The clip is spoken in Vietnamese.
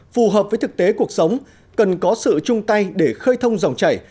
phù hợp với thực tế cuộc sống cần có sự chung tay để khơi thông dòng chảy